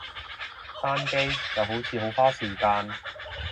單機，又好似好花時間